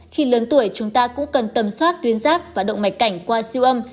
khi lớn tuổi chúng ta cũng cần tầm soát tuyến giáp và động mạch cảnh qua siêu âm